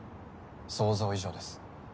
想像以上です。